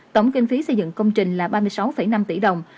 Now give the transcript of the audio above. tổng kinh phí xây dựng công trình là ba mươi sáu năm tỷ đồng